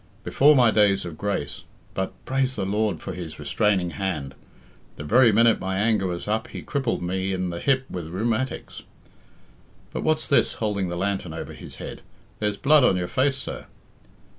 Before my days of grace but, praise the Lord for His restraining hand, the very minute my anger was up He crippled me in the hip with rheumatics. But what's this?" holding the lantern over his head; "there's blood on your face, sir?"